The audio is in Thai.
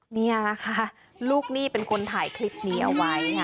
นี่แหละค่ะลูกหนี้เป็นคนถ่ายคลิปนี้เอาไว้ค่ะ